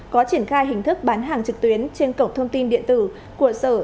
có triển khai hình thức bán hàng trực tuyến trên cổng thông tin điện tử của sở